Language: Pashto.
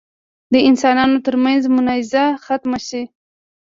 د انسانانو تر منځ منازعه ختمه شي.